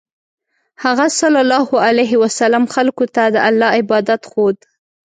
هغه ﷺ خلکو ته د الله عبادت ښوود.